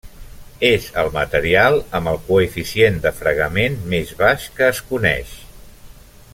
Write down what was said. És el material amb el coeficient de fregament més baix que es coneix.